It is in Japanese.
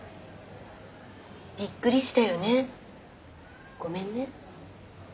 びっくりしたよねごめんね。